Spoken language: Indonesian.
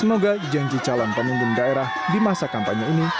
semoga janji calon pemimpin daerah di masa kampanye ini